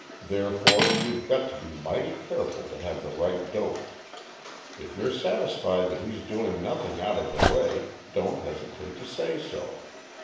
Therefore you've got to be mighty careful to have the right dope. If you're satisfied that he's doing nothing out of the way, don't hesitate to say so.